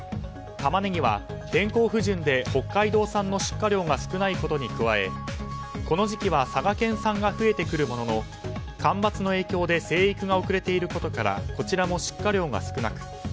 タマネギは天候不順で北海道産の出荷量が少ないことに加えこの時期は佐賀県産が増えてくるものの干ばつの影響で生育が遅れていることからこちらも出荷量が少なく